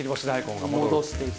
戻していく。